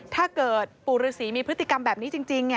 ถ้าเกิดปู่ฤษีมีพฤติกรรมแบบนี้จริง